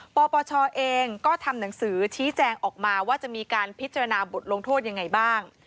ปปชเองก็ทำหนังสือชี้แจงออกมาว่าจะมีการพิจารณาบทลงโทษยังไงบ้าง